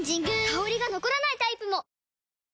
香りが残らないタイプも！